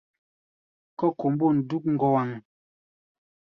Kɔ́ kombôn dúk ŋɔwaŋ.